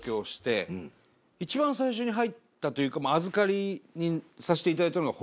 一番最初に入ったというか預かりにさせていただいたのが。